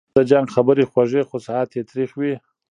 د جنګ خبري خوږې خو ساعت یې تریخ وي